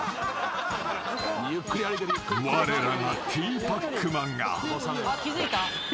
［われらがティーパックマンが］うわ。